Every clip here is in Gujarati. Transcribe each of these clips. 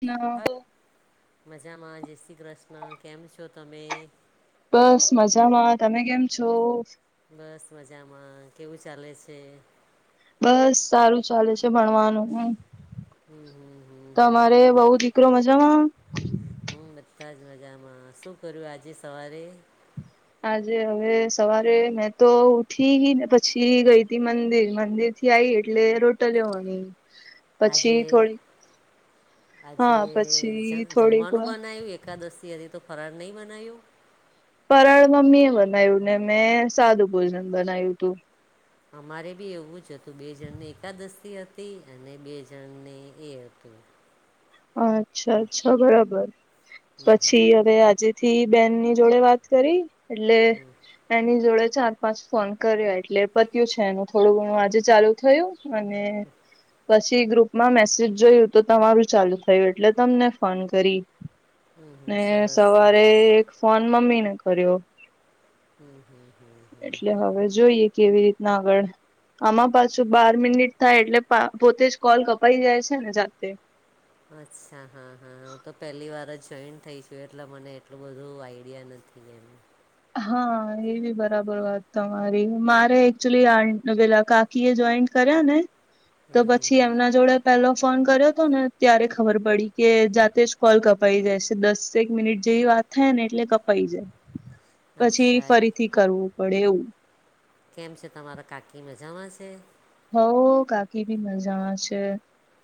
હ હા [unintelligible] મજામાં જયસી કૃષ્ણ કેમ છો તમે બસ મજામાં તમે કેમ છો બસ મજામાં. કેવું ચાલે છે? બસ સારું ચાલે છે ભણવાનું હમ. હમ હમ હમ હમ તમારે હમ વહુ દીકરો મજામાં? હમ બધા જ મજામાં. શું કર્યું આજે સવારે? આજે હવે સવારે મેં તો ઉઠી ગી ને પછી ગઈતી મંદિર મંદિર થી આઇ એટલે રોટલીઓ વણી. આજે પછી થોડી આજે હા પછી જંગ થોડીક જમવાનું વાર બનાયું એક એકાદશી હતી તો ફરાળ નહીં બનાયું? ફરાળ મમ્મીએ બનાયું ને મેં સાદું ભોજન બનાયું તું. અમારે બી એવું જ હતું બે જણને એકાદશી હતી અને બે જણને એ હતું. અચ્છા અચ્છા બરાબર. પછી હવે આજે થી બેનની જોડે વાત કરી એટલે એની જોડે ચા પાંચ ફોન કર્યો એટલે પત્યું છે એનું થોડું ઘણું આજે ચાલુ થયું. અને પછી ગ્રુપમાં મેસેજ જોયું તો તમારું ચાલુ થયું એટલે તમને ફોન કરી. હમ હમ ને સરસ સવારે સરસ ફોન મમ્મીને કર્યો. હમ હમ હમ એટલે હવે જોઈએ કેવી રીત ના આગળ આમાં પાછું બાર મિનિટ થાય એટલે પોતે જ કોલ કપાઈ જાય છે ને જાતે? અચ્છા હા હા હું તો પહેલી વાર જ જોઈન થઈ છું એટલે મને એટલું બધું આઈડિયા નથ થી એમ. હા એ બી બરાબર વાત તમારી. મારે એકચુલી આ [inaudible] કી એ જોઈન્ટ કર્યા ને તો પછી એમના જોડે પેલો ફોન કર્યો તો ને ત્યારે ખબર પડી કે જાતે જ કોલ કપાઈ જાય છે. દસેક મિનિટ જેવી વાત થાય ને એટલે કપાઈ જાય. પછી અચ્છા ફરીથી કરવું પડે એવું. કેમ છે તમારા કાકી મજામાં છે? હોવ કાકી ભી મજામાં છે.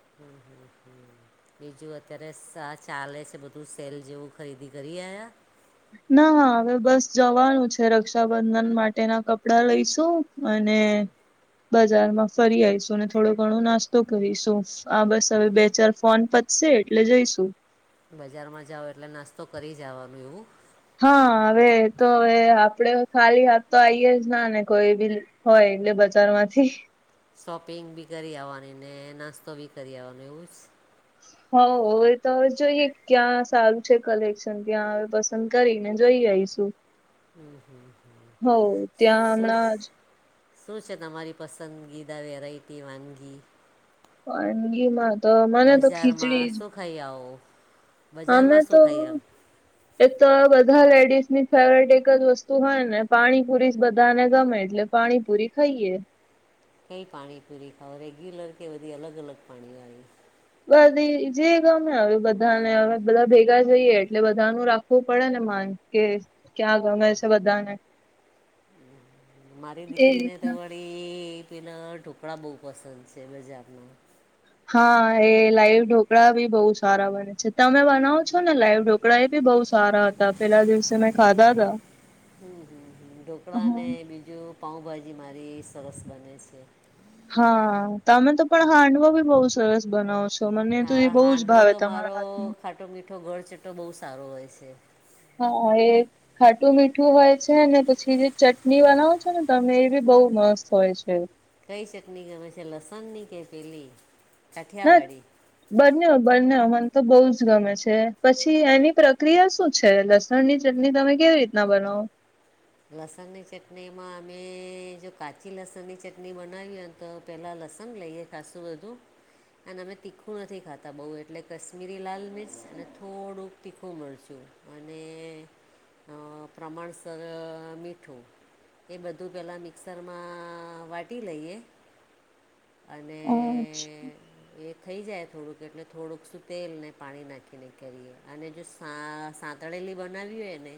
હમ હમ હમ બીજું અત્યારે સા ચાલે છે બધું સેલ જેવું ખરીદી કરી આવ્યા? ના હવે બસ જવાનું છે, રક્ષાબંધન માટેના કપડા લઈશું. અને બજારમાં ફરી આઈશું અને થોડો ઘણો નાસ્તો કરીશું. હા બસ હવે બે ચાર ફોન પતશે એટલે જઈશું. બજારમાં જાઓ એટલે નાસ્તો કરી જ આવાનું એવું? હા હવે એતો હવે આપડે ખાલી હાથ તો આઈએે જ ના ને કોઈ બી હોય એટલે બજાર માંથી શોપિંગ બી કરી આવવાની ને નાસ્તો બી કરી આવવાનું એવું છ હોવ હવે તો હવે જોઈએ ક્યાં સારું છે કલેક્શન ત્યાં હવે બસ કરીને જોઈ આઈશું હોવ ત્યાં શું હમણાં જ શું છે તમારી પસંદગીદા વેરાયટી, વાનગી? વાનગીમાં તો મને તો ખીચડી જ ખઈ આઓ. તમે તો એક તો બધા લેડીઝની ફેવરેટ એક જ વસ્તુ હોય ને પાણીપુરી જ બધાને ગમે એટલે પાણીપૂરી ખઈએ. કઈ પાણી પૂરી ખાઓ રેગ્યુલર કે બધી અલગ અલગ પાણી વાળી? બધ જે ગમે હવે બધાને હવે બધા ભેગા જઈએ એટલે બધાનું રાખવું પડે ને માન. કે ક્યાં ગમે છે બધાને? મારી એ દીકરીને તો. રીતના પેના ઢોકળા બહુ પસંદ છે બજાર ના. હા, એ લાઈવ ઢોકળા ભી બહુ સારા બને છે, તમે બનાવો છો ને લાઈવ ઢોકળા? ઢોકળા એ બી બહુ સારા હતા, પેલા દિવસે મેં ખાધા તા. હમ, હમ, હ, ઢોકળા અને બીજું પાઉભાજી મારી સરસ બને છે. હા, તમે તો પણ હાંડવો બી બહુ સરસ બનાવ છો? તો મને તો એ બહુ જ ભાવે તમારા હાથ નું. ચટો મીઠો, ઘર ચટો બહુ સારો હોય છે. હ, એ. ખાટું મીઠું હોય છે ને, પછી જે ચટણી બનાવો છો ને, તમે એ બી બહુ મસ્ત હોય છે. કઈ શટની ગમે છે, લસણની કે, પેલી ના કાઠિયાવાડી? બંને બંને, મને તો બહુ જ ગમે છે, પછી એની પ્રક્રિયા શું છે? લ લસણ ની ચટણી તમે કેવી રીતના બનાવો? લસણ ની ચટણી માં અમે જો, કાચી લસણ ની ચટણી બનાવી હોય. તો પહેલાં લસણ લઈએ ખાસું વધું. અને અમે તીખું નથી ખાતા બહુ, એટલે કાશ્મીરી લાલ મિર્ચ અને થોડુંક તીખું મરચું. અને પ્રમાણસર. અ મીઠું એ, બધું પહેલાં મિક્સરમાં વાટી લઈએ. અને અ એ થઈ જાય થોડુંક, એટલે થોડુંક શું તેલને પાણી નાખીને કરીએ, અને જો હા, સાંતળેલી બનાવી હોય ને.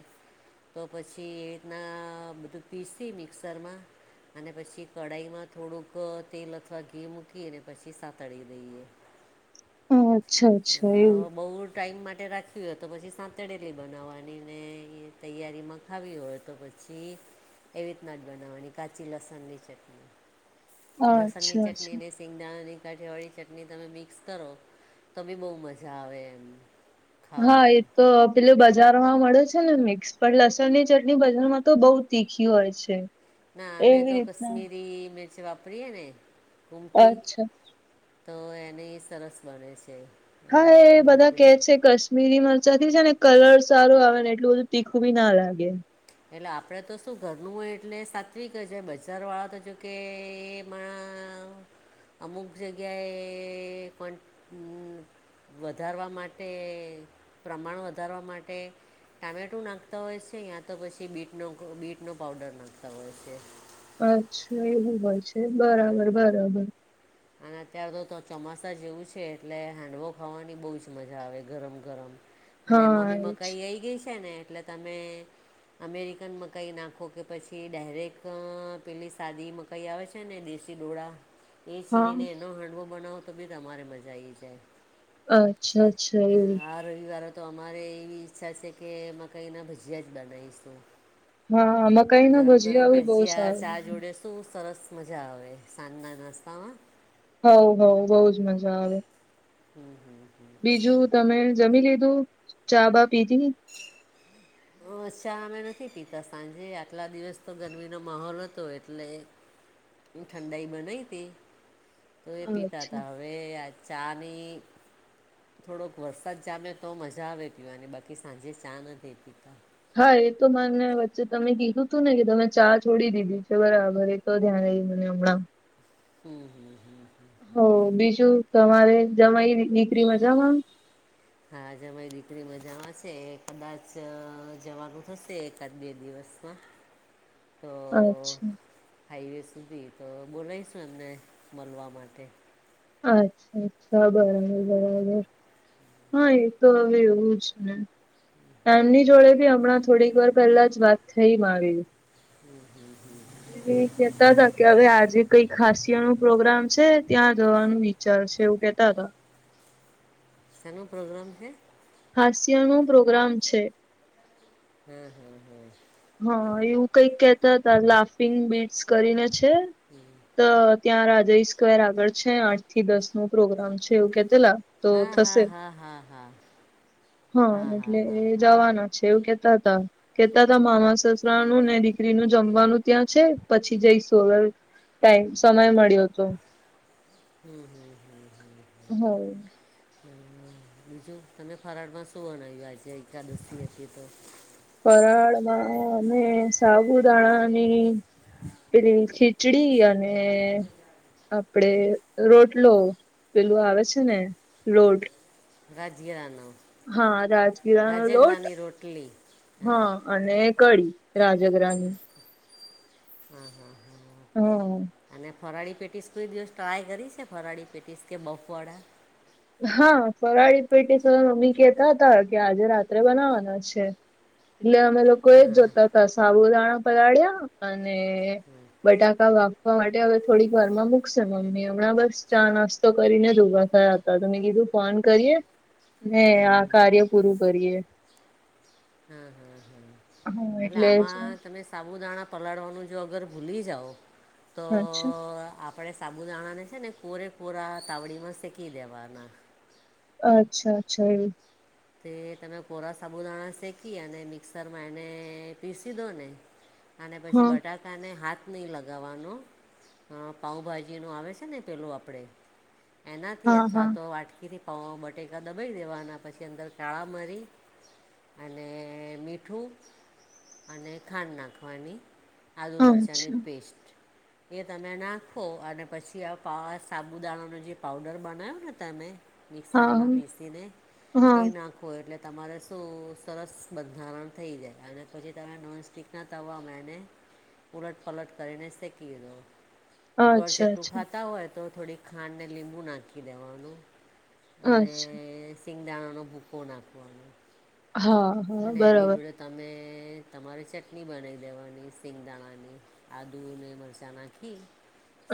તો પછી એ રીતના બધું પીસી મિક્સરમાં. અને પછી કઢાઈમાં થોડુંક તેલ. ઘી મૂકીને, પછી સાતળી દઈએ. હ, અચ્છા, અચ્છા, એવું. અ, બહુ ટાઈમ માટે રાખવી હોય તો, પછી સાંતડેલી બનાવવાની ને, એ તૈયારીમાં ખાવી હોય તો પછી. પશી એવી રીતના જ બનાવાની, કાચી લસણ ની ચટણી, લસણની. અચ્છા ચટણી અચ્છા અને સિંગદાણાની કાઠીવાળી ચટણી, તમે મિક્સ કરો. તો બી બહુ મજા આવે એમ. હા, એ ખાવાની તો. એટલે બજારમાં મળે છે ને, મિક્સ પણ લસણ ની ચટણી બજારમાં તો બહુ તીખી હોય છે. ના, મે એવી તો રીતના કશમીરી મિર્ચ વાપરી એને ઘૂંગઠી. અચ્છા તો એને સરસ બને છે. હા, એ બધા કે છે કશ કાશમીરી મરચા થી છે ને, કલર સારો આવે ને, એટલું બધું તીખું બી ના લાગે. એટલે આપડે તો શું ઘરનું હોય, એટલે સાત્વિક જ બજાર વાળા તો જો કે એ. માં અમુક જગ્યાએ કો વધારવા માટે, પ્રમાણ વધારવા માટે. ટામેટો નાખતા હોય છે, યા તો પછી બીટ ન બીટ નો પાવડર નાખતા હોય છે. અચ્છા, એવું હોય છે. બરાબર, બરાબર. અને અત્યાર તો તો ચોમાસા જેવું છે, એટલે હેડવો ખાવાની બહુ જ મજા આવે, ગરમ-ગરમ. અને હા મમ્મી એ જ મકાઈ આઈ ગઈ છે ને, એટલે તમે. અમેરિકન મકાઈ નાખો કે, પછી ડાયરેક્ટ પેલી સાદી. કાઈ આવે છે ને, દેશી ડોળા. એ હા છીણીને એનો હાંડવો બનાવો તો બી તમારે મજા આવી જાય. અચ્છા અચ્છા અ, એવુ આ રવિવારે તો અમારે એવી ઈચ્છા છે કે અ મકાઇ ના ભજીયા જ બનાવીશું. હા મકાઈ ના ગરમ - ગરમ ભજીયા બી બહુ ભજીયા ચા સારું જોડે શું સરસ મજા આવે સાંજના નાસ્તામાં. હવ હવ બહુ જ મજા આવે હમ્મ હમ્મ બીજું તમે જમી લીધું ચા બા પીધી અ ચા અમે નથી પીતા સાંજે આટલા દિવસ તો ગરમીનો મહોલ હતો એટલે ઠંડાઈ બનાઈ હતી તો એ પીતા અચ્છા હતા. હવે આ ચાની થોડોક વરસાદ જામેં તો મજા આવે પીવાની ને બાકી સાંજે ચા નથી પીતા હા એ તો માને વચ્ચે તમે કીધું તું ને કે તમે ચા છોડી દીધી છે. બરાબર ધ્યાન ઈ નમણા હમ્મ હમ્મ હમ્મ હ બીજું તમારે જવાય દીકરી માંજામાં હાજમારી દીકરી મજામાં છે કદાચ જવાનું થશે એકાદ બે દિવસમાં તો અચ્છા હાઈવે સુધી તો બોલાવીશું એમને મળવા માટે અચ્છા અચ્છા બરાબર બરાબર હા એ તો હવે એવું જ ને એમની જોડે ભી હમણાં થોડીક વાર પેલા જ વાત થઈ મારી હમ્મ હમ્મ હમ્મ કેતા હતા કે હવે આજે કઈ ખાસય નું પ્રોગ્રામ છે ત્યાં જવાનું વિચાર છે એવું કેતા હતા સેનો પ્રોગ્રામ છે હાસ્ય નો પ્રોગ્રામ છે હમ્મ હમ્મ હમ્મ હા એવું કઈક કેહેતા હતા લાફિંગ બીટ્સ કરીને છે તો ત્યાં રાજા સ્ક્વેર આગળ છે આઠ થી દસ નું પ્રોગ્રામ છે એવું કે તે લા હા હા હા હા હા હા હા એટલે હા હા હા જવાના છે એવું કેતા હતા કેતા મામા સસરા નું ને દીકરીનું જમવાનું ત્યાં છે પછી જઈ શુ ટાઈમ સમય મળ્યો હતો હમ્મ હમ્મ હમ્મ હા બીજું તમે ફરાળમાં શું અનાવ્યું આજે એકાદસી હતી તો ફરાળ માં અને સાબુદાણાની પેલી ખીચડી અને આપડે રોટલો પેલું આવે છે ને રોટ ગજીયાનો હા રાજગીરાનો લોટ રોટલી હા અને કડી રાજગ્રા ની હ હ હ હ અને ફરાળી પેટીસ કોઈ દિવસ ટ્રાય કરી છે ફરાળી પેટીસ કે બફવાળા હા ફરાળી પેટે મમ્મી કેતા હતા કે આજે રાત્રે બનાવાના છે. એટલે અમે લોકો. કો એ હા હા જોતા ત સાબુદાણા પલાળ્યા અને બટાકા વા વા માટે હવે થોડીક વાર માં મૂકશે મમ્મી હમણાં બસ ચા નાસ્તો કરીને જ ઊભા થયા હતા. તો તમે કીધું ફોન કરીએ ને આ કાર્ય પૂરું કરીએ. હા હા હમ હા એટલે અચ્છા આમાં તમે સાબુદાણા પલાળવાનું જો અગર ભૂલી જાઓ તો આપ આપણે સાબુદાણાને છે ને પુરેપરા તાવડીમાં શેકી દેવાના. અચ્છા અચ્છા એ તે તમે કોરા સાબુદાણા શેકી અને મિક્સરમાં એને પીસી દો ને અને પછી હા બટાકાને હાથ નહીં લગાવવાનો. હા પાઉભાજીનું આવે છે ને પેલું આપણે. એનાથી હા અથવા હા તો વાટકીથી પવા બટેકા દબવી દેવાના પછી પછી અંદર શાળા મરી અને મીઠું અને ખાંડ નાખવાની આદુ હા મરચાંની અચ્છા પેસ્ટ એ તમે નાખો અને પછી આ પા સાબુદાણાનો જે પાવડર બનાવ્યો ને તમે હા મિક્સરમાં પીસી ને એ હા નાખો એટલે તમારે શું સરસ બંધારણ થઈ જાય અને પછી તમે નોનસ્ટિક એના તવા મેને ઉલટ પલટ કરીને સેકી દો. હા અચ્છા ગોળચટ્ટું અચ્છા ખાતા હોય તો થોડીક ખાંડને લીંબુ નાખી દેવાનું. અને અચ્છા સિંગદાણાનો ભૂકો નાખવાનો. હા. હા અને એની બરાબર જોડે તમે તમારે ચટણી બનાવી દેવાની સિંગદાણાની આદુ ને મરચા નાખી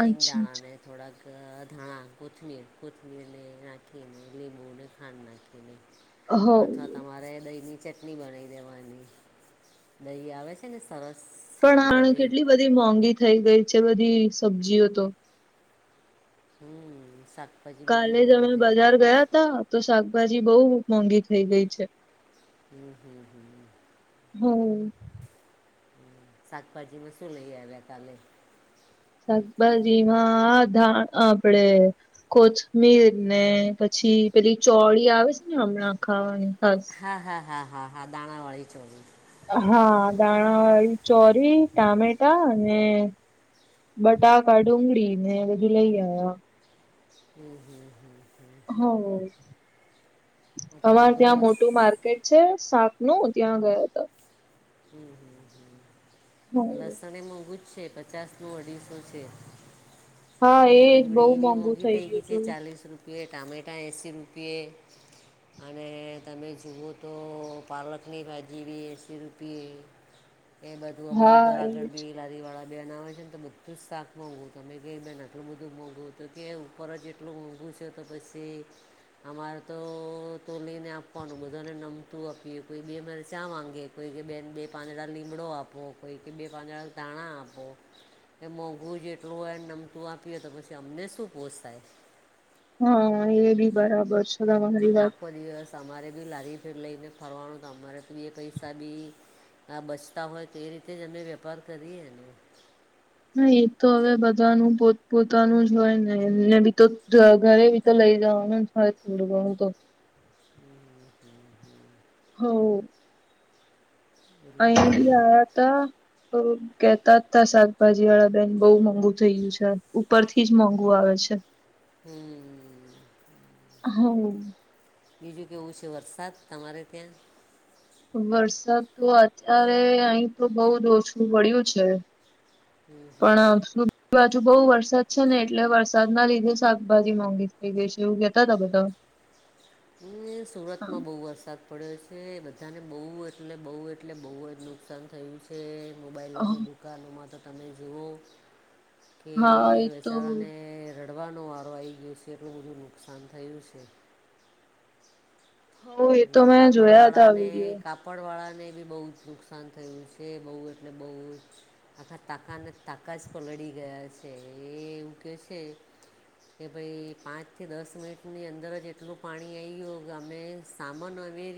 સિંગ અચ્છા દાણા ને થોડાક અ ધાણા કોથમીર કોથમીરને નાખીને લીંબુને ખાંડ નાખીને. અચ્છા હો અથવા તમારે દહી ની ચટણી બનાવી દેવાની દહી આવે છે ને. અશ. પણ આ કેટલી બધી મોંઘી થઈ ગઈ છે બધી સબ્જીઓ તો. હમ સાક કાલે જ અમે બજાર ગયા ત તો શાકભાજી બહુ મોંઘી થઇ ગઈ છે. હમ હમ હમ. હમ. શાકભાજીમાં શું લઈ આવ્યા કાલે. શાકભાજીમાં ધા આપડે. કોથમીર ને પછી પેલી ચોળી આવે છે ને હમણાં ખાવાની ખાસ. હા હા હા હા હા દાણાાવાળી ચોરી. હા દાણા વાળી ચોરી ટામેટા અને બટાકા ડુંગળી ને બધું લઈ આયા. હમ હમ હમ હમ. હ અત્યારે અમારે તો ત્યાં લસ મોટું માર્ગ કે છે સાપ નું ત્યાં ગયો હતો. હમ હમ હ હ લસણ એ મોઘુ. છે પચાસનું અઢીસો છે. હા અને એજ બહુ ડુંગળી બી મોંઘુ મોંઘી થઈ ગયું ગઈ છે હતું. ચાલીસ રૂપિયે ટામેટા એંસીી રૂપિયે. અને તમે જુઓ તો પાલકની ભાજી બી એસી આપીએ એ બાધું અમારે હા ઘર આગળ એજ બી લારીવાળા બેન આવે છે ને તો બધું જ શાક મોઘું તમે જે બે આટલું બધું મોંઘું તો કે ઉપર જ એટલું મોંઘું છે તો પછી અમારે તો તોલી ને આપવાનું બધાને નમતું આપીએ કોઈ બી અમારે ચા માંગયે કોઈ કે બેન બે પાંદડા લીમડો આપો કોઈ કે બે પાંદડા ધાણા આપો. કે મોંઘું જ એટલું હોયને નમતું આપીએ તો પછી અમને શું પોસાય. હા એ બી બરાબર છે. તમારી અને વાત આખો દિવસ અમારે બી લારી ફર લઈને ફરવાનો અમારે તો એ પૈસા બી હા બચતા હોય તો એ રીતે જ અમે વેપાર કરીએ ને હા એ તો હવે બધાનું પોત પોતાનું જ હોય ને એને બી તો ઘરે બી તો લઈ જવાનું. હય તું બી દેહુ તો હમમ હમમ હમમ હમમ. હા એટલે અયા બીજું ભી કે આયા તા કેતા હતા શાકભાજી વાળા બેન બઉ મોંઘુ થઈ ગયું છે ઉપર થી જ મોંઘુ આવે છે. [unintelligible] હમમ. હા. બીજું કેવું છે વરસાદ તમારે ત્યાં? વરસાદ તો અત્યારે અહી તો બો જ ઓછું પડ્યું છે. હમ હમ પણ શું આ બાજુ બો વરસાદ છે ને એટલે વરસાદ ના લીધે શાકભાજી મોંઘી થઈ ગઈ છે એવું કહેતા હતા બધા. [unintelligible] હમમ સુરતમાં બો વરસાદ પડે છે બધાને બહુ એટલે બહુ એટલે બહુ જ નુકસાન થયું છે. કે મોબાઈલોની દુકાનોમાં તો તમે જુઓ એ હા તો વસાવા ને કરવાનો વારો આવી ગયો છે એટલું બધું નુકસાન થયું છે. હ એ તો અને મેં કાપડ જોયા વાળા હતા ને વિડીયો કાપ કાપડવાળાને બી બો જ નુકસાન થયું છે બો એટલે બો જ આખા તાકાને તાકા જ પલળી ગયા છે એ એવું કે છે કે ભાઈ પાંચ કે દસ મિનિટની અંદર જ એટલું પાણી આવી ગયું કે અમે સામાન અને